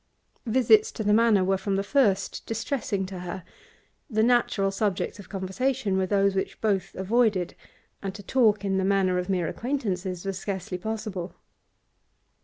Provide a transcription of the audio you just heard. Visits to the Manor were from the first distressing to her; the natural subjects of conversation were those which both avoided, and to talk in the manner of mere acquaintances was scarcely possible.